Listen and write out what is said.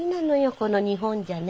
この日本じゃね。